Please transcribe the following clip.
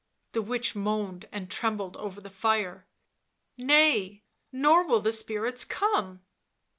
The witch moaned and trembled over the fire. " Nay, nor will the spirits come."